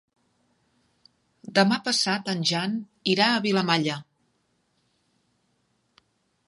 Demà passat en Jan irà a Vilamalla.